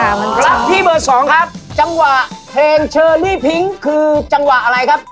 รับที่เบอร์สองครับจังหวะเพลงเชอรี่พิ้งคือจังหวะอะไรครับ